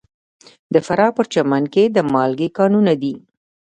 د فراه په پرچمن کې د مالګې کانونه دي.